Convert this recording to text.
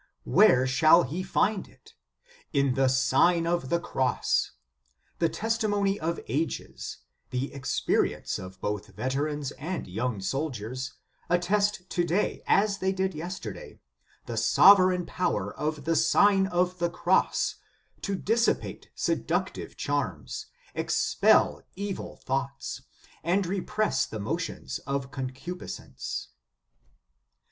Where shall he find it? In the Sign of the Cross. The testimony of ages, the experi ence of both veterans and young soldiers, attest to day, as they did yesterday, the sove reign power of the Sign of the Cross to dis sipate seductive charms, expel evil thoughts, and repress the motions of concupiscence.